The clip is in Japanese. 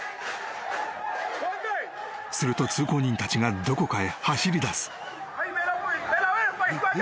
［すると通行人たちがどこかへ走りだす］